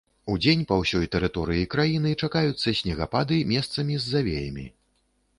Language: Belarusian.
Удзень па ўсёй тэрыторыі краіны чакаюцца снегапады, месцамі з завеямі.